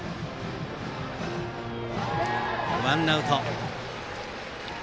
ワンアウト。